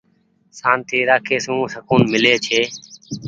سآنتي رآکي سون سڪون ملي ڇي۔